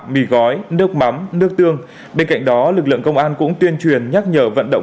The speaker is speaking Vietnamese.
mì gói nước mắm nước tương bên cạnh đó lực lượng công an cũng tuyên truyền nhắc nhở vận động